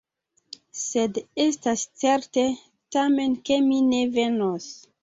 Sed estas certe, tamen, ke mi ne venos.